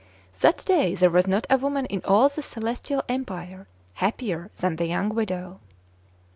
That day there was not a woman in all the Celestial Empire happier than the young widow.